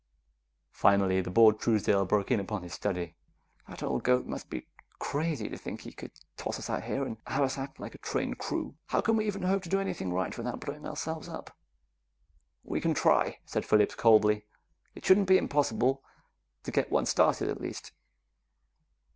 Finally, the bored Truesdale broke in upon his study. "That old goat must be crazy to think he could toss us out here and have us act like a trained crew. How can we even hope to do anything right, without blowing ourselves up?" "We can try," said Phillips coldly. "It shouldn't be impossible to get one started, at least."